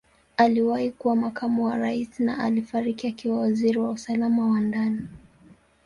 Aliwahi kuwa Makamu wa Rais na alifariki akiwa Waziri wa Usalama wa Ndani.